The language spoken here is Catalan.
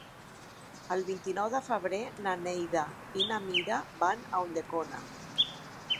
El vint-i-nou de febrer na Neida i na Mira van a Ulldecona.